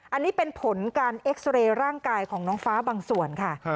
อันนี้เป็นผลการเอ็กซาเรย์ร่างกายของน้องฟ้าบางส่วนค่ะ